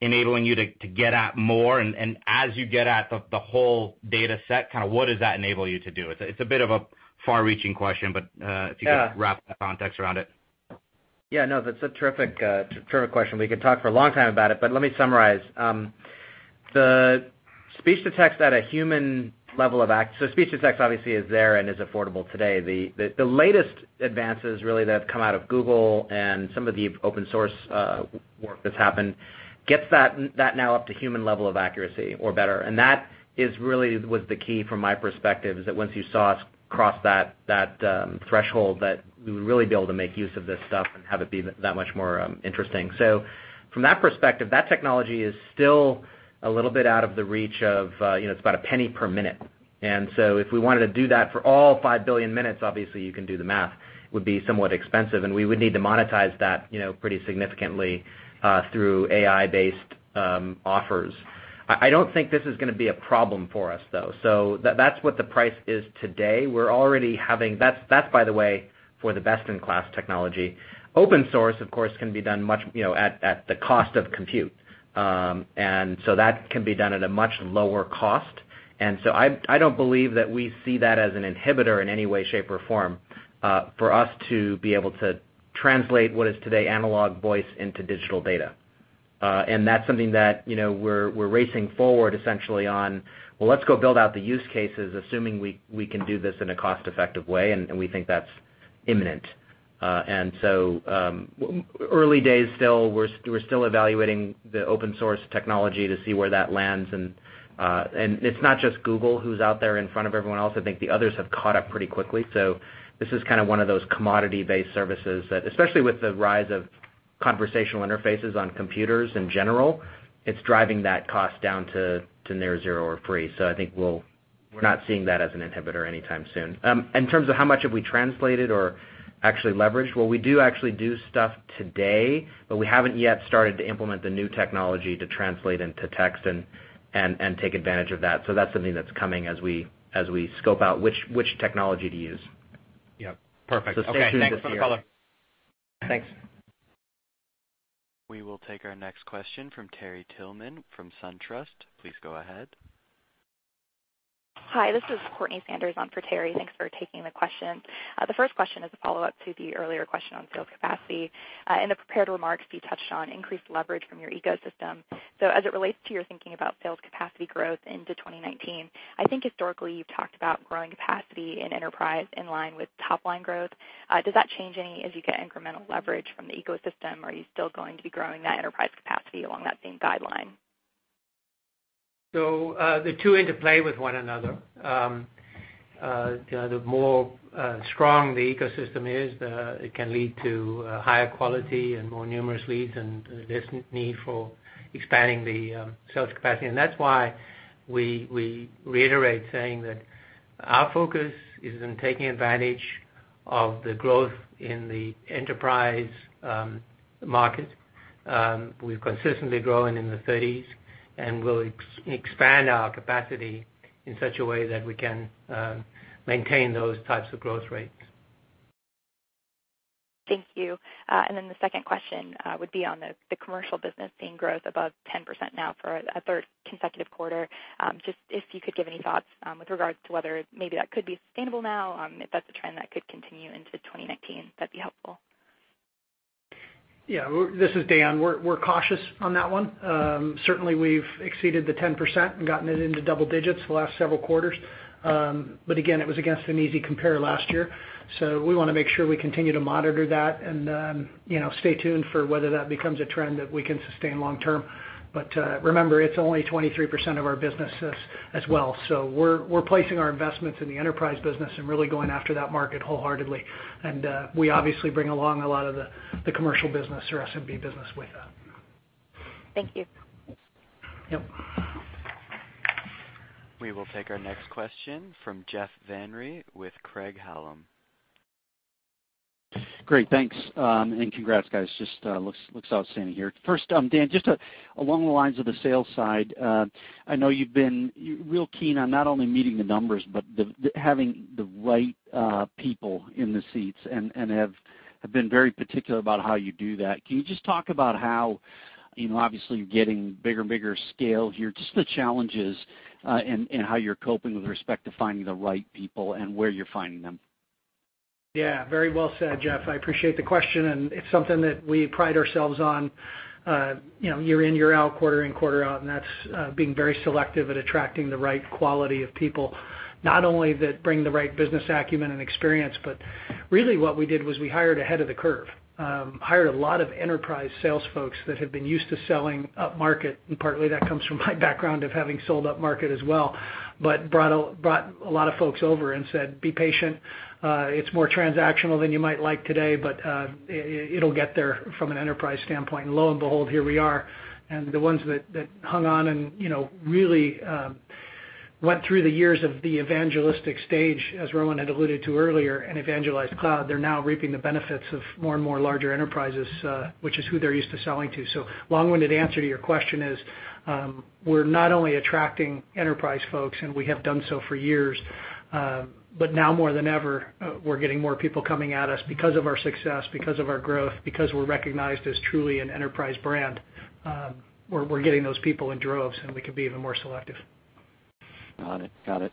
enabling you to get at more, and as you get at the whole data set, what does that enable you to do? It's a bit of a far-reaching question, but if you could wrap the context around it. Yeah, no, that's a terrific question. We could talk for a long time about it, but let me summarize. The speech-to-text at a human level of speech-to-text obviously is there and is affordable today. The latest advances really that have come out of Google and some of the open source work that's happened gets that now up to human level of accuracy or better. That really was the key from my perspective, is that once you saw us cross that threshold, that we would really be able to make use of this stuff and have it be that much more interesting. From that perspective, that technology is still a little bit out of the reach of. It's about $0.01 per minute. If we wanted to do that for all 5 billion minutes, obviously you can do the math. It would be somewhat expensive, and we would need to monetize that pretty significantly through AI-based offers. I don't think this is going to be a problem for us, though. That's what the price is today. We're already That's by the way, for the best-in-class technology. Open source, of course, can be done much at the cost of compute. That can be done at a much lower cost. I don't believe that we see that as an inhibitor in any way, shape, or form for us to be able to translate what is today analog voice into digital data. That's something that we're racing forward essentially on. Well, let's go build out the use cases, assuming we can do this in a cost-effective way, and we think that's imminent. Early days still. We're still evaluating the open source technology to see where that lands. It's not just Google who's out there in front of everyone else. I think the others have caught up pretty quickly. This is kind of one of those commodity-based services that, especially with the rise of conversational interfaces on computers in general, it's driving that cost down to near zero or free. I think we're not seeing that as an inhibitor anytime soon. In terms of how much have we translated or actually leveraged, well, we do actually do stuff today, but we haven't yet started to implement the new technology to translate into text and take advantage of that. That's something that's coming as we scope out which technology to use. Yep, perfect. Stay tuned this year. Okay, thanks for the color. Thanks. We will take our next question from Terry Tillman from SunTrust. Please go ahead. Hi, this is Courtney Sanders on for Terry. Thanks for taking the question. The first question is a follow-up to the earlier question on sales capacity. In the prepared remarks, you touched on increased leverage from your ecosystem. As it relates to your thinking about sales capacity growth into 2019, I think historically you've talked about growing capacity in enterprise in line with top-line growth. Does that change any as you get incremental leverage from the ecosystem, or are you still going to be growing that enterprise capacity along that same guideline? The two interplay with one another. The more strong the ecosystem is, it can lead to higher quality and more numerous leads, and less need for expanding the sales capacity. That's why we reiterate saying that our focus is in taking advantage of the growth in the enterprise market. We're consistently growing in the 30s, and we'll expand our capacity in such a way that we can maintain those types of growth rates. Thank you. The second question would be on the commercial business seeing growth above 10% now for a third consecutive quarter. Just if you could give any thoughts with regards to whether maybe that could be sustainable now, if that's a trend that could continue into 2019, that'd be helpful. Yeah. This is Dan. We're cautious on that one. Certainly, we've exceeded the 10% and gotten it into double digits the last several quarters. Again, it was against an easy compare last year. We want to make sure we continue to monitor that and stay tuned for whether that becomes a trend that we can sustain long term. Remember, it's only 23% of our business as well. We're placing our investments in the enterprise business and really going after that market wholeheartedly. We obviously bring along a lot of the commercial business or SMB business with that. Thank you. Yep. We will take our next question from Jeff Van Rhee with Craig-Hallum. Great. Thanks, and congrats, guys. Just looks outstanding here. First, Dan, just along the lines of the sales side, I know you've been real keen on not only meeting the numbers, but having the right people in the seats and have been very particular about how you do that. Can you just talk about how, obviously, you're getting bigger and bigger scale here, just the challenges, and how you're coping with respect to finding the right people and where you're finding them? Yeah. Very well said, Jeff. I appreciate the question, and it's something that we pride ourselves on year in, year out, quarter in, quarter out, and that's being very selective at attracting the right quality of people. Not only that bring the right business acumen and experience, but really what we did was we hired ahead of the curve. Hired a lot of enterprise sales folks that had been used to selling upmarket, and partly that comes from my background of having sold upmarket as well, but brought a lot of folks over and said, "Be patient. It's more transactional than you might like today, but it'll get there from an enterprise standpoint." Lo and behold, here we are. The ones that hung on and really went through the years of the evangelistic stage, as Rowan had alluded to earlier, and evangelized cloud, they're now reaping the benefits of more and more larger enterprises, which is who they're used to selling to. Long-winded answer to your question is, we're not only attracting enterprise folks, and we have done so for years, but now more than ever, we're getting more people coming at us because of our success, because of our growth, because we're recognized as truly an enterprise brand. We're getting those people in droves, and we can be even more selective. Got it.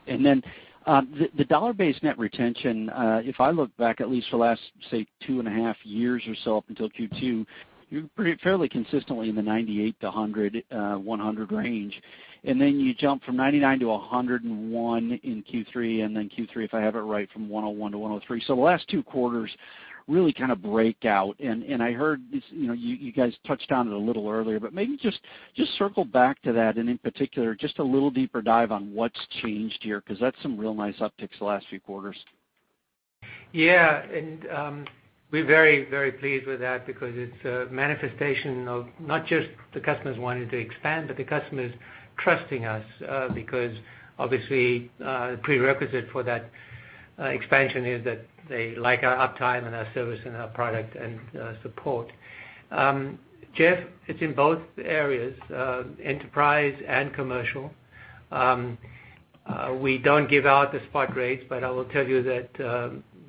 The dollar-based net retention, if I look back at least the last, say, two and a half years or so up until Q2, you're fairly consistently in the 98-100 range. You jump from 99-101 in Q3, and then Q3, if I have it right, from 101-103. The last two quarters really kind of break out. I heard you guys touched on it a little earlier, but maybe just circle back to that and in particular, just a little deeper dive on what's changed here, because that's some real nice upticks the last few quarters. Yeah. We're very, very pleased with that because it's a manifestation of not just the customers wanting to expand, but the customers trusting us, because obviously, prerequisite for that expansion is that they like our uptime and our service and our product and support. Jeff, it's in both areas, enterprise and commercial. We don't give out the spot rates, but I will tell you that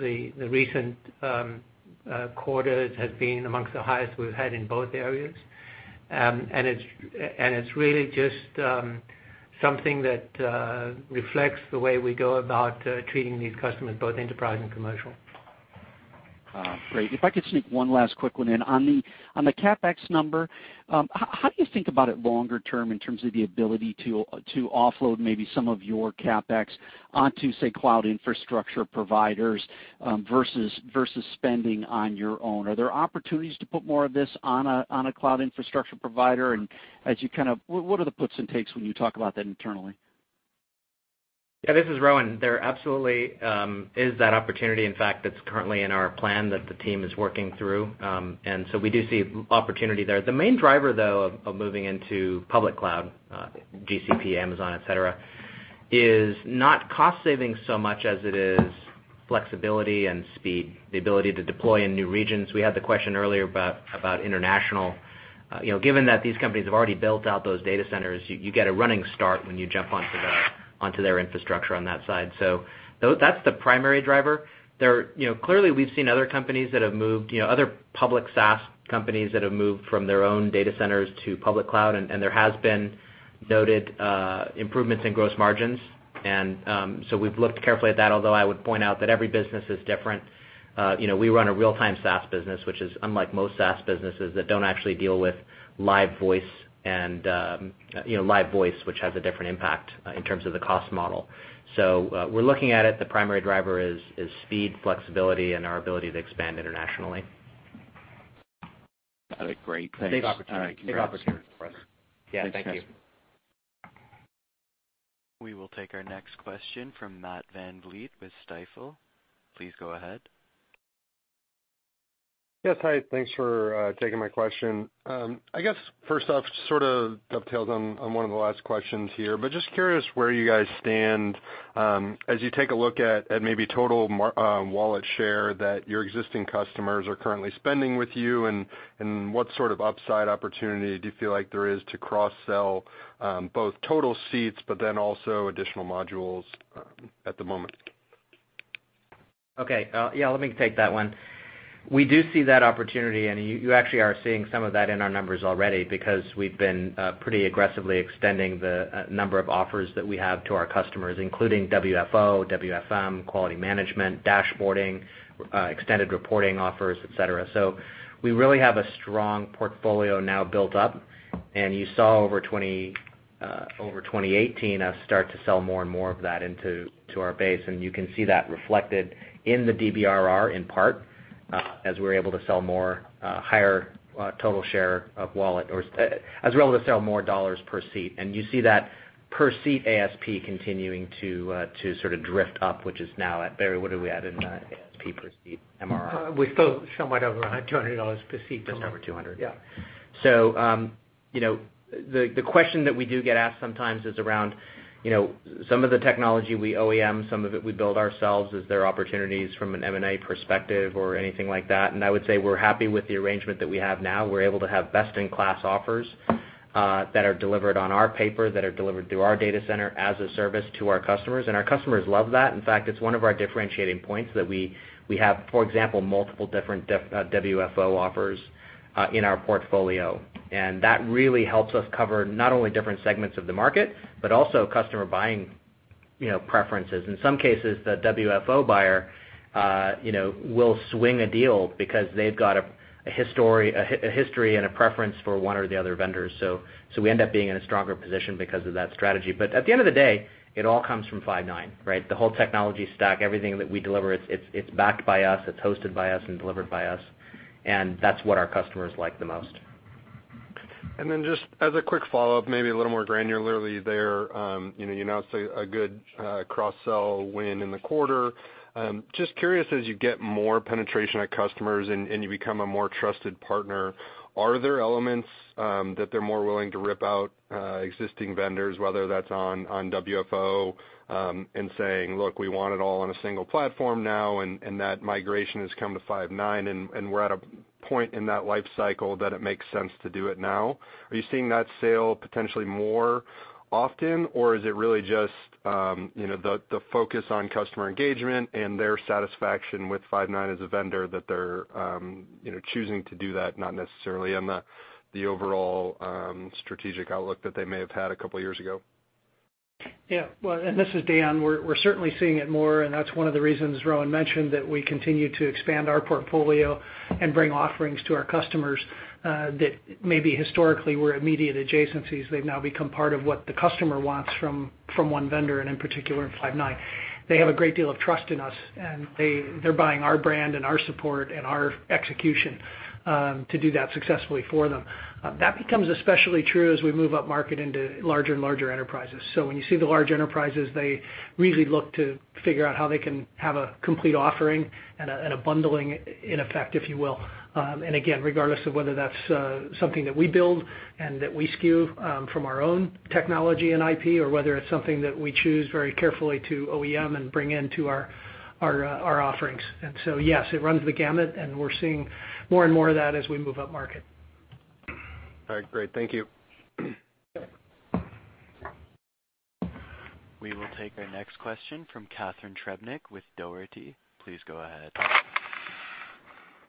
the recent quarters have been amongst the highest we've had in both areas. It's really just something that reflects the way we go about treating these customers, both enterprise and commercial. Great. If I could sneak one last quick one in. On the CapEx number, how do you think about it longer term in terms of the ability to offload maybe some of your CapEx onto, say, cloud infrastructure providers versus spending on your own? Are there opportunities to put more of this on a cloud infrastructure provider? What are the puts and takes when you talk about that internally? Yeah, this is Rowan. There absolutely is that opportunity. In fact, that's currently in our plan that the team is working through. We do see opportunity there. The main driver, though, of moving into public cloud, GCP, Amazon, et cetera, is not cost-saving so much as it is flexibility and speed, the ability to deploy in new regions. We had the question earlier about international. Given that these companies have already built out those data centers, you get a running start when you jump onto their infrastructure on that side. That's the primary driver. Clearly, we've seen other public SaaS companies that have moved from their own data centers to public cloud, there has been noted improvements in gross margins. We've looked carefully at that, although I would point out that every business is different. We run a real-time SaaS business, which is unlike most SaaS businesses that don't actually deal with live voice, which has a different impact in terms of the cost model. We're looking at it. The primary driver is speed, flexibility, and our ability to expand internationally. Got it. Great. Thanks. Big opportunity for us. Yeah. Thank you. We will take our next question from Matt Van Vliet with Stifel. Please go ahead. Yes, hi. Thanks for taking my question. I guess first off, sort of dovetails on one of the last questions here, but just curious where you guys stand as you take a look at maybe total wallet share that your existing customers are currently spending with you, and what sort of upside opportunity do you feel like there is to cross-sell both total seats but then also additional modules at the moment? Okay. Yeah, let me take that one. We do see that opportunity, and you actually are seeing some of that in our numbers already because we've been pretty aggressively extending the number of offers that we have to our customers, including WFO, WFM, quality management, dashboarding, extended reporting offers, et cetera. We really have a strong portfolio now built up. You saw over 2018, us start to sell more and more of that into our base, and you can see that reflected in the DBRR in part, as we're able to sell more dollars per seat. You see that per seat ASP continuing to sort of drift up, which is now at Barry, what are we at in ASP per seat MRR? We're still somewhat over $200 per seat. Just over 200. Yeah. The question that we do get asked sometimes is around some of the technology we OEM, some of it we build ourselves, is there opportunities from an M&A perspective or anything like that? I would say we're happy with the arrangement that we have now. We're able to have best-in-class offers that are delivered on our paper, that are delivered through our data center as a service to our customers, and our customers love that. In fact, it's one of our differentiating points that we have, for example, multiple different WFO offers in our portfolio. That really helps us cover not only different segments of the market, but also customer buying preferences. In some cases, the WFO buyer will swing a deal because they've got a history and a preference for one or the other vendors. We end up being in a stronger position because of that strategy. At the end of the day, it all comes from Five9, right? The whole technology stack, everything that we deliver, it's backed by us, it's hosted by us, and delivered by us, and that's what our customers like the most. Just as a quick follow-up, maybe a little more granularly there, you announced a good cross-sell win in the quarter. Just curious, as you get more penetration at customers and you become a more trusted partner, are there elements that they're more willing to rip out existing vendors, whether that's on WFO, and saying, "Look, we want it all on a single platform now, and that migration has come to Five9, and we're at a point in that life cycle that it makes sense to do it now." Are you seeing that sale potentially more often, or is it really just the focus on customer engagement and their satisfaction with Five9 as a vendor that they're choosing to do that, not necessarily on the overall strategic outlook that they may have had a couple of years ago? Well, this is Dan. We're certainly seeing it more, and that's one of the reasons Rowan mentioned that we continue to expand our portfolio and bring offerings to our customers that maybe historically were immediate adjacencies. They've now become part of what the customer wants from one vendor, and in particular, in Five9. They have a great deal of trust in us, and they're buying our brand and our support and our execution to do that successfully for them. That becomes especially true as we move upmarket into larger and larger enterprises. When you see the large enterprises, they really look to figure out how they can have a complete offering and a bundling in effect, if you will. Again, regardless of whether that's something that we build and that we SKU from our own technology and IP, or whether it's something that we choose very carefully to OEM and bring into our offerings. Yes, it runs the gamut, and we're seeing more and more of that as we move upmarket. All right, great. Thank you. We will take our next question from Catharine Trebnic with Dougherty. Please go ahead.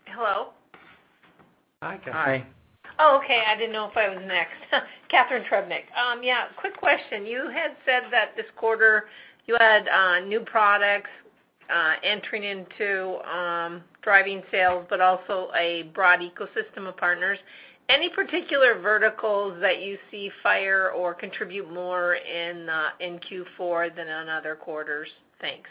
Hello? Hi, Catharine. Hi. Oh, okay. I didn't know if I was next. Catharine Trebnick. Yeah, quick question. You had said that this quarter you had new products entering into driving sales, also a broad ecosystem of partners. Any particular verticals that you see fire or contribute more in Q4 than on other quarters? Thanks.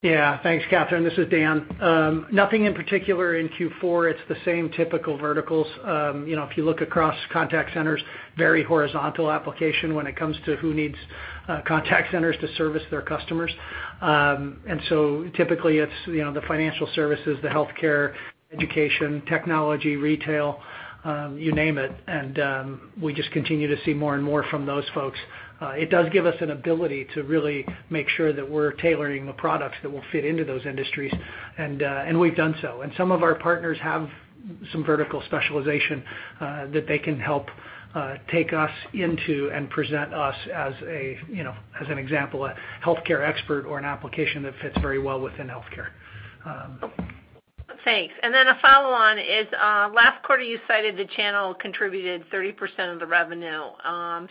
Yeah. Thanks, Catharine. This is Dan. Nothing in particular in Q4. It's the same typical verticals. If you look across contact centers, very horizontal application when it comes to who needs contact centers to service their customers. Typically, it's the financial services, the healthcare, education, technology, retail, you name it. We just continue to see more and more from those folks. It does give us an ability to really make sure that we're tailoring the products that will fit into those industries, and we've done so. Some of our partners have some vertical specialization that they can help take us into and present us, as an example, a healthcare expert or an application that fits very well within healthcare. Thanks. A follow-on is, last quarter you cited the channel contributed 30% of the revenue.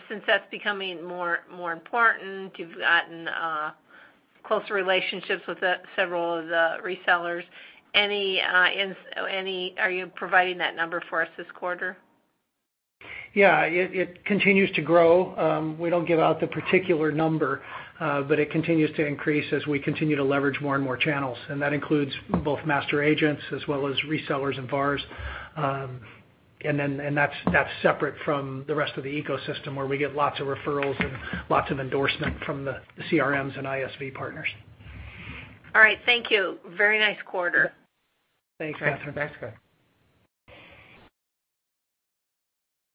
Since that's becoming more important, you've gotten closer relationships with several of the resellers. Are you providing that number for us this quarter? Yeah. It continues to grow. We don't give out the particular number, but it continues to increase as we continue to leverage more and more channels. That includes both master agents as well as resellers and VARs. That's separate from the rest of the ecosystem where we get lots of referrals and lots of endorsement from the CRMs and ISV partners. All right. Thank you. Very nice quarter. Thanks, Catharine. Thanks, Catharine.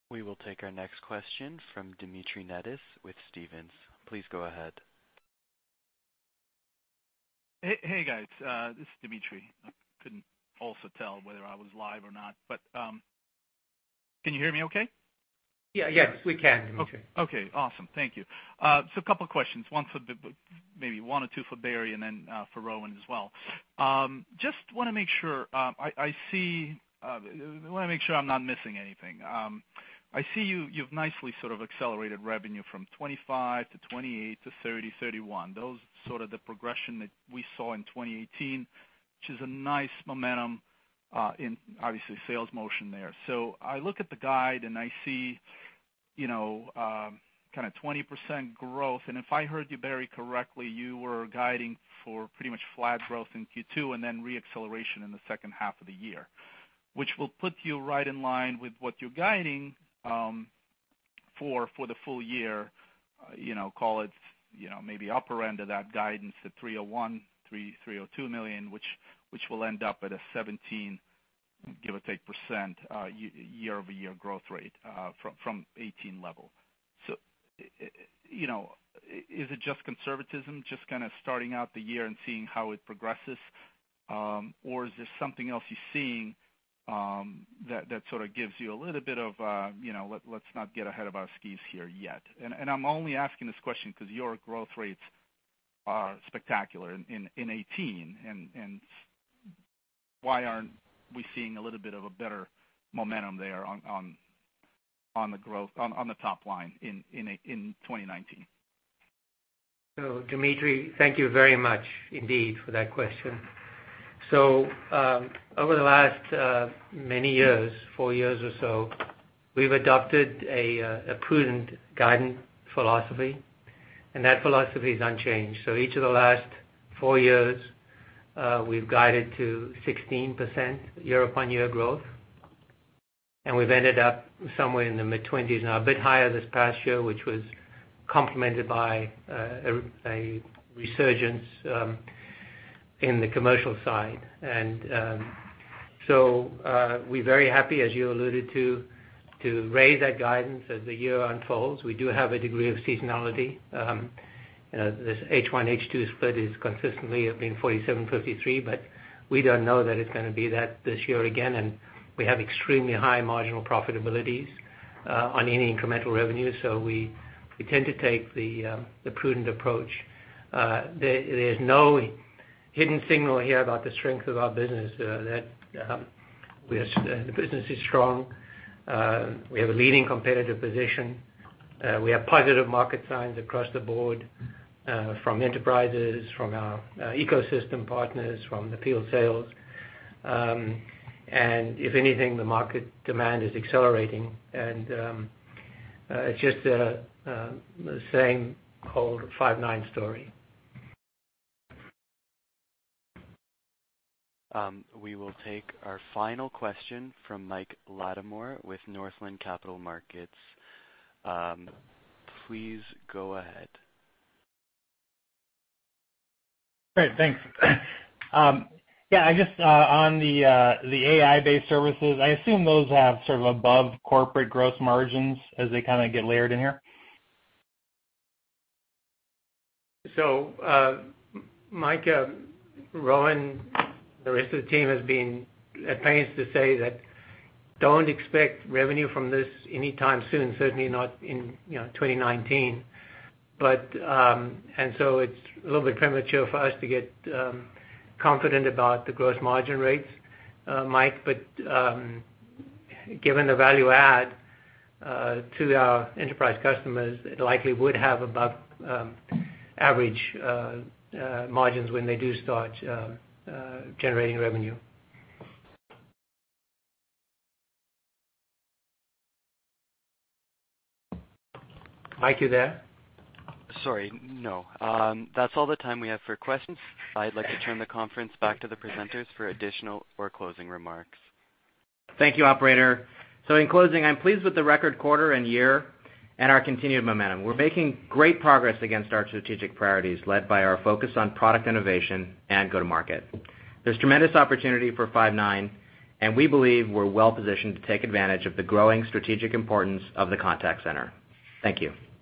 We will take our next question from Dmitry Netis with Stephens. Please go ahead. Hey, guys. This is Dmitry. I couldn't also tell whether I was live or not. Can you hear me okay? Yes, we can. Okay. Awesome. Thank you. A couple of questions. Maybe one or two for Barry, and then for Rowan as well. Just want to make sure I'm not missing anything. I see you've nicely sort of accelerated revenue from 25% to 28% to 30%, 31%. Those sort of the progression that we saw in 2018, which is a nice momentum in obviously sales motion there. I look at the guide, and I see kind of 20% growth. If I heard you, Barry, correctly, you were guiding for pretty much flat growth in Q2 and then re-acceleration in the second half of the year, which will put you right in line with what you're guiding for the full year, call it maybe upper end of that guidance at $301 million-$302 million, which will end up at a 17%, give or take, year-over-year growth rate from 2018 level. Is it just conservatism, just kind of starting out the year and seeing how it progresses? Or is this something else you're seeing that sort of gives you a little bit of let's not get ahead of our skis here yet? I'm only asking this question because your growth rates are spectacular in 2018, and why aren't we seeing a little bit of a better momentum there on the top line in 2019? Dmitry, thank you very much indeed for that question. Over the last many years, four years or so, we've adopted a prudent guidance philosophy, and that philosophy is unchanged. Each of the last four years, we've guided to 16% year-upon-year growth, and we've ended up somewhere in the mid-20s. Now, a bit higher this past year, which was complemented by a resurgence in the commercial side. We're very happy, as you alluded to raise that guidance as the year unfolds. We do have a degree of seasonality. This H1, H2 split has consistently been 47, 53, but we don't know that it's going to be that this year again, and we have extremely high marginal profitabilities on any incremental revenue. We tend to take the prudent approach. There's no hidden signal here about the strength of our business. The business is strong. We have a leading competitive position. We have positive market signs across the board from enterprises, from our ecosystem partners, from the field sales. If anything, the market demand is accelerating. It's just the same old Five9 story. We will take our final question from Mike Latimore with Northland Capital Markets. Please go ahead. Great. Thanks. Yeah, just on the AI-based services, I assume those have sort of above corporate gross margins as they kind of get layered in here? Mike, Rowan, the rest of the team has been at pains to say that don't expect revenue from this anytime soon, certainly not in 2019. It's a little bit premature for us to get confident about the gross margin rates, Mike. Given the value add to our enterprise customers, it likely would have above average margins when they do start generating revenue. Mike, you there? Sorry, no. That's all the time we have for questions. I'd like to turn the conference back to the presenters for additional or closing remarks. Thank you, operator. In closing, I'm pleased with the record quarter and year and our continued momentum. We're making great progress against our strategic priorities led by our focus on product innovation and go-to-market. There's tremendous opportunity for Five9, and we believe we're well-positioned to take advantage of the growing strategic importance of the contact center. Thank you.